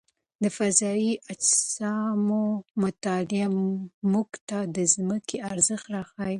د فضايي اجسامو مطالعه موږ ته د ځمکې ارزښت راښيي.